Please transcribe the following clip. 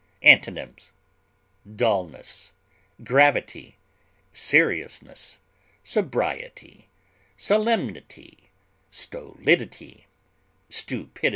Antonyms: dulness, seriousness, sobriety, solemnity, stolidity, stupidity.